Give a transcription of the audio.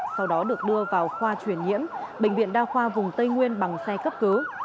sau đó được đưa vào khoa chuyển nhiễm bệnh viện đa khoa vùng tây nguyên bằng xe cấp cứu